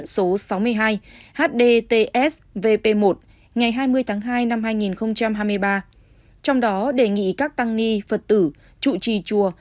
số sáu mươi hai hdts vp một ngày hai mươi tháng hai năm hai nghìn hai mươi ba trong đó đề nghị các tăng ni phật tử trụ trì chùa cơ sở tự viện của chùa